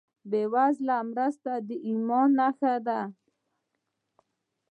بېوزله مرسته د ایمان نښه ده.